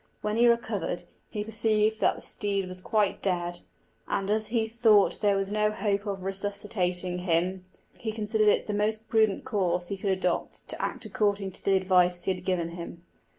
When he recovered, he perceived that the steed was quite dead; and, as he thought there was no hope of resuscitating him, he considered it the most prudent course he could adopt to act according to the advice he had given him.